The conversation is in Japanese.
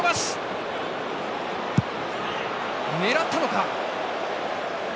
狙ったのか。